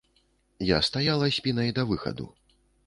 Я стаяла спінай да выхаду.